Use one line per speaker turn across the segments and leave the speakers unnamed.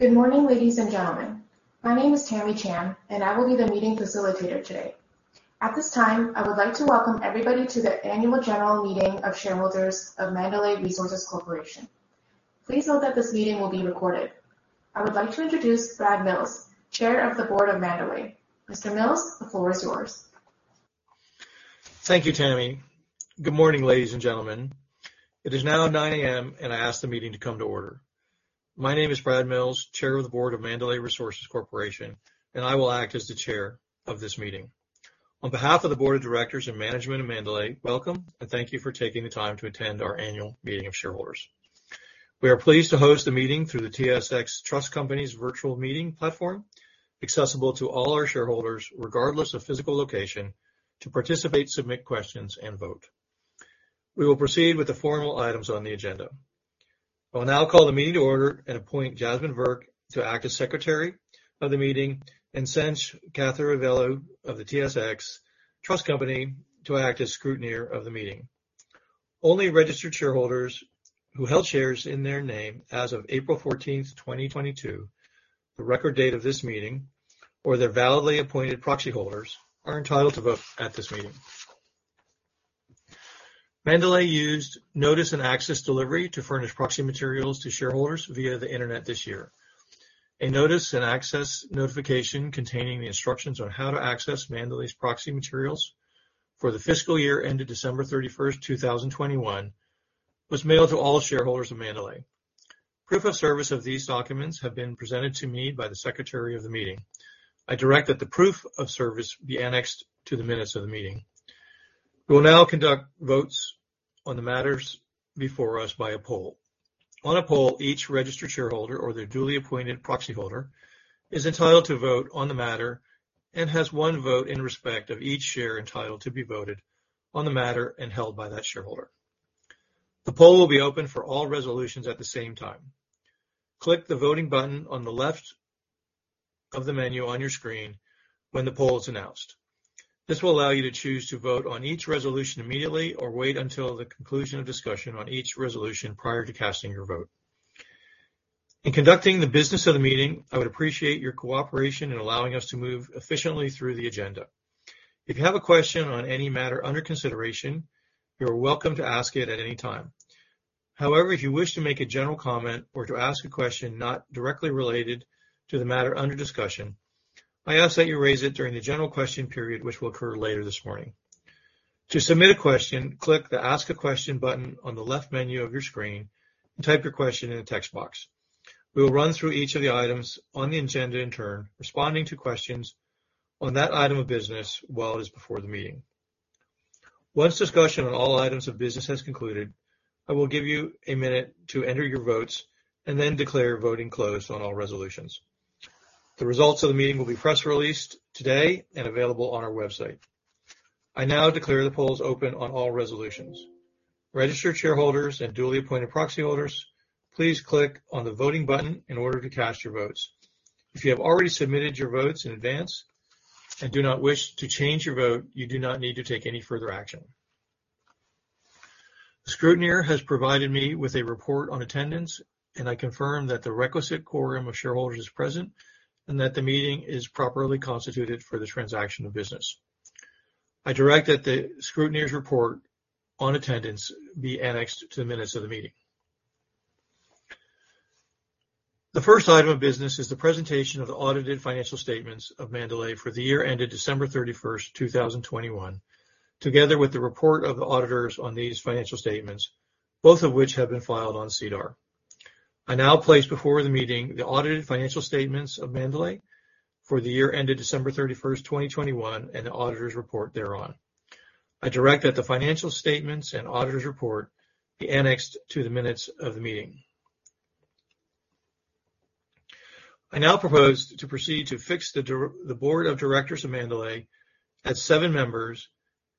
Good morning, ladies and gentlemen. My name is Tammy Chan, and I will be the meeting facilitator today. At this time, I would like to welcome everybody to the annual general meeting of shareholders of Mandalay Resources Corporation. Please note that this meeting will be recorded. I would like to introduce Brad Mills, Chair of the Board of Mandalay. Mr. Mills, the floor is yours.
Thank you, Tammy. Good morning, ladies and gentlemen. It is now 9:00 A.M., I ask the meeting to come to order. My name is Brad Mills, Chair of the Board of Mandalay Resources Corporation, and I will act as the chair of this meeting. On behalf of the board of directors and management of Mandalay, welcome, and thank you for taking the time to attend our annual meeting of shareholders. We are pleased to host the meeting through the TSX Trust Company's virtual meeting platform, accessible to all our shareholders, regardless of physical location, to participate, submit questions, and vote. We will proceed with the formal items on the agenda. I will now call the meeting to order and appoint Jasmine Virk to act as secretary of the meeting and cinch Catherine Avello of the TSX Trust Company to act as scrutineer of the meeting. Only registered shareholders who held shares in their name as of April 14th, 2022, the record date of this meeting, or their validly appointed proxy holders, are entitled to vote at this meeting. Mandalay used Notice and Access delivery to furnish proxy materials to shareholders via the internet this year. A Notice and Access notification containing the instructions on how to access Mandalay's proxy materials for the fiscal year ended December 31st, 2021, was mailed to all shareholders of Mandalay. Proof of service of these documents have been presented to me by the secretary of the meeting. I direct that the proof of service be annexed to the minutes of the meeting. We will now conduct votes on the matters before us by a poll. On a poll, each registered shareholder or their duly appointed proxy holder is entitled to vote on the matter and has one vote in respect of each share entitled to be voted on the matter and held by that shareholder. The poll will be open for all resolutions at the same time. Click the voting button on the left of the menu on your screen when the poll is announced. This will allow you to choose to vote on each resolution immediately or wait until the conclusion of discussion on each resolution prior to casting your vote. In conducting the business of the meeting, I would appreciate your cooperation in allowing us to move efficiently through the agenda. If you have a question on any matter under consideration, you are welcome to ask it at any time. However, if you wish to make a general comment or to ask a question not directly related to the matter under discussion, I ask that you raise it during the general question period, which will occur later this morning. To submit a question, click the Ask a Question button on the left menu of your screen and type your question in the text box. We will run through each of the items on the agenda in turn, responding to questions on that item of business while it is before the meeting. Once discussion on all items of business has concluded, I will give you a minute to enter your votes and then declare voting closed on all resolutions. The results of the meeting will be press released today and available on our website. I now declare the polls open on all resolutions. Registered shareholders and duly appointed proxy holders, please click on the voting button in order to cast your votes. If you have already submitted your votes in advance and do not wish to change your vote, you do not need to take any further action. The scrutineer has provided me with a report on attendance, and I confirm that the requisite quorum of shareholders is present and that the meeting is properly constituted for the transaction of business. I direct that the scrutineer's report on attendance be annexed to the minutes of the meeting. The first item of business is the presentation of the audited financial statements of Mandalay for the year ended December 31st, 2021, together with the report of the auditors on these financial statements, both of which have been filed on SEDAR. I now place before the meeting the audited financial statements of Mandalay for the year ended December 31st, 2021, and the auditor's report thereon. I direct that the financial statements and auditor's report be annexed to the minutes of the meeting. I now propose to proceed to fix the board of directors of Mandalay at seven members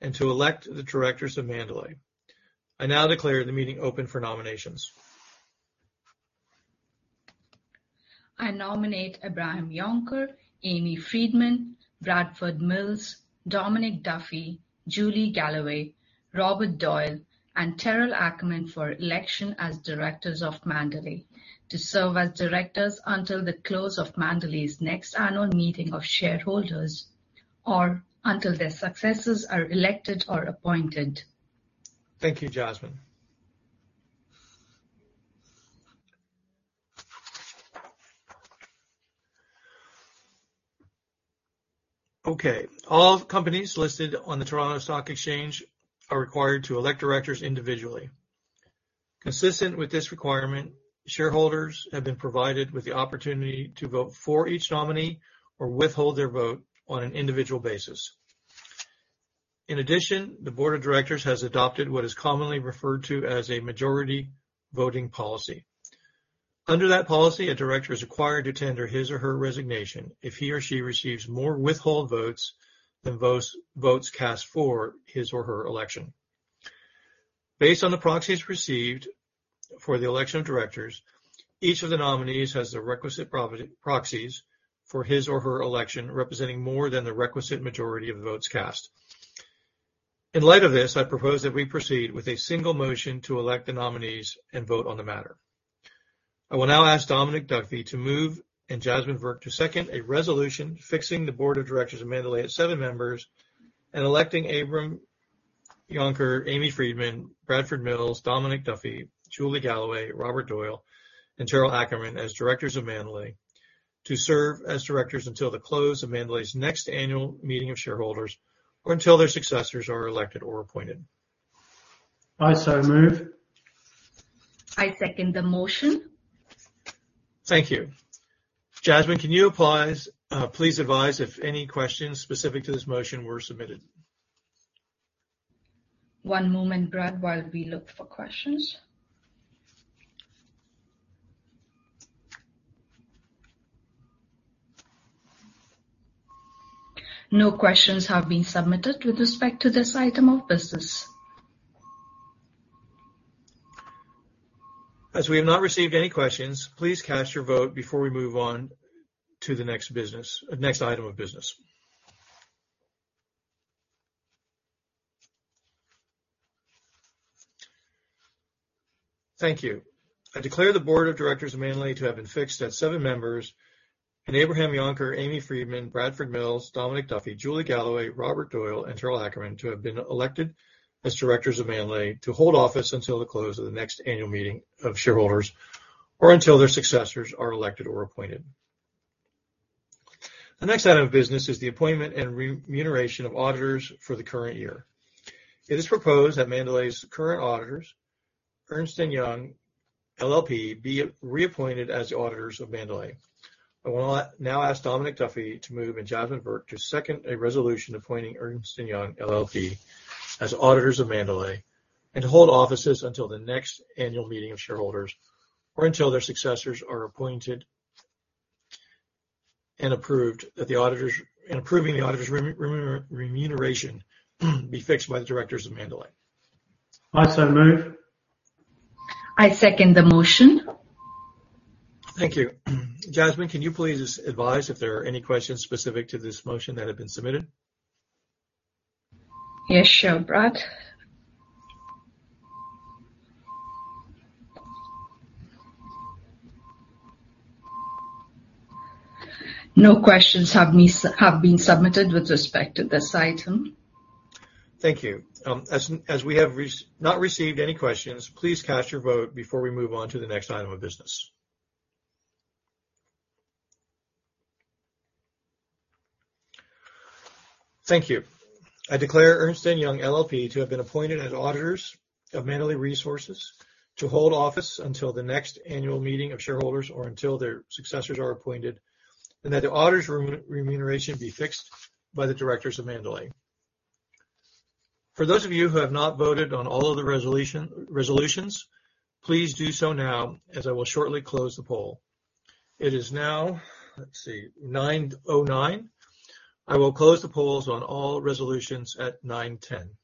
and to elect the directors of Mandalay. I now declare the meeting open for nominations.
I nominate Abraham Jonker, Amy Freedman, Bradford Mills, Dominic Duffy, Julie Galloway, Robert Doyle, and Terrell Ackerman for election as directors of Mandalay to serve as directors until the close of Mandalay's next annual meeting of shareholders, or until their successors are elected or appointed.
Thank you, Jasmine. Okay. All companies listed on the Toronto Stock Exchange are required to elect directors individually. Consistent with this requirement, shareholders have been provided with the opportunity to vote for each nominee or withhold their vote on an individual basis. The board of directors has adopted what is commonly referred to as a majority voting policy. Under that policy, a director is required to tender his or her resignation if he or she receives more withhold votes than votes cast for his or her election. Based on the proxies received for the election of directors, each of the nominees has the requisite proxies for his or her election, representing more than the requisite majority of the votes cast. In light of this, I propose that we proceed with a single motion to elect the nominees and vote on the matter. I will now ask Dominic Duffy to move, and Jasmine Virk to second a resolution fixing the board of directors of Mandalay at seven members, and electing Abraham Jonker, Amy Freedman, Bradford Mills, Dominic Duffy, Julie Galloway, Robert Doyle, and Terrell Ackerman as directors of Mandalay to serve as directors until the close of Mandalay's next annual meeting of shareholders, or until their successors are elected or appointed.
I so move.
I second the motion.
Thank you. Jasmine, can you please advise if any questions specific to this motion were submitted?
One moment, Brad, while we look for questions. No questions have been submitted with respect to this item of business.
As we have not received any questions, please cast your vote before we move on to the next item of business. Thank you. I declare the board of directors of Mandalay to have been fixed at seven members, and Abraham Jonker, Amy Freedman, Bradford Mills, Dominic Duffy, Julie Galloway, Robert Doyle, and Terrell Ackerman to have been elected as directors of Mandalay to hold office until the close of the next annual meeting of shareholders, or until their successors are elected or appointed. The next item of business is the appointment and remuneration of auditors for the current year. It is proposed that Mandalay's current auditors, Ernst & Young LLP, be reappointed as the auditors of Mandalay. I will now ask Dominic Duffy to move, and Jasmine Virk to second a resolution appointing Ernst & Young LLP as auditors of Mandalay, and to hold offices until the next annual meeting of shareholders, or until their successors are appointed and approved, and approving the auditor's remuneration be fixed by the directors of Mandalay.
I so move.
I second the motion.
Thank you. Jasmine, can you please advise if there are any questions specific to this motion that have been submitted?
Yes, sure, Brad. No questions have been submitted with respect to this item.
Thank you. As we have not received any questions, please cast your vote before we move on to the next item of business. Thank you. I declare Ernst & Young LLP to have been appointed as auditors of Mandalay Resources to hold office until the next annual meeting of shareholders, or until their successors are appointed, and that the auditor's remuneration be fixed by the directors of Mandalay. For those of you who have not voted on all of the resolutions, please do so now, as I will shortly close the poll. It is now, let's see, 9:09 A.M. I will close the polls on all resolutions at 9:10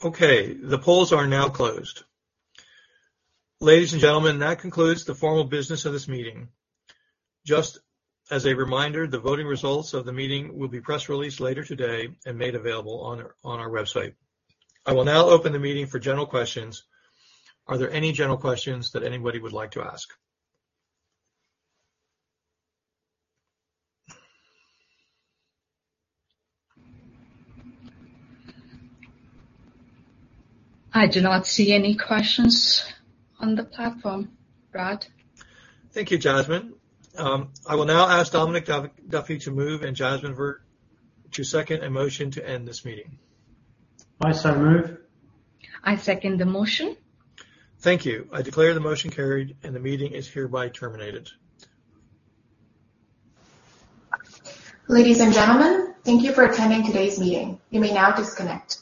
A.M. Okay, the polls are now closed. Ladies and gentlemen, that concludes the formal business of this meeting. Just as a reminder, the voting results of the meeting will be press released later today and made available on our website. I will now open the meeting for general questions. Are there any general questions that anybody would like to ask?
I do not see any questions on the platform, Brad.
Thank you, Jasmine. I will now ask Dominic Duffy to move, and Jasmine Virk to second a motion to end this meeting.
I so move.
I second the motion.
Thank you. I declare the motion carried, and the meeting is hereby terminated.
Ladies and gentlemen, thank you for attending today's meeting. You may now disconnect.